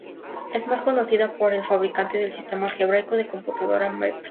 Es más conocida por ser el fabricante del sistema algebraico de computadora Maple.